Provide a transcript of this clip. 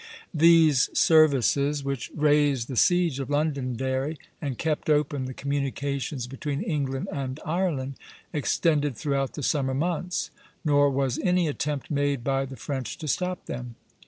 These services, which raised the siege of Londonderry and kept open the communications between England and Ireland, extended throughout the summer months; nor was any attempt made by the French to stop them.